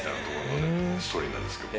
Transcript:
ストーリーなんですけど。